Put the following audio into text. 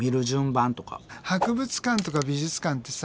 博物館とか美術館ってさ